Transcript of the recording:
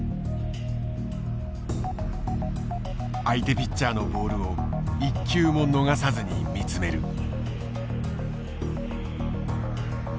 相手ピッチャーのボールを１球も逃さずに見つめる。